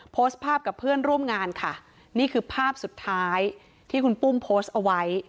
โพสต์ภาพกับเพื่อนร่วมงานค่ะนี่คือภาพสุดท้ายที่คุณปุ้มโพสต์เอาไว้